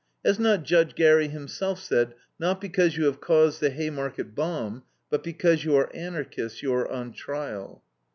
Has not Judge Gary himself said: "Not because you have caused the Haymarket bomb, but because you are Anarchists, you are on trial."